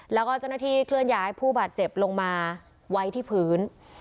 แล้วก็เจ้าหน้าที่เคลื่อนย้ายผู้บาดเจ็บลงมาไว้ที่พื้น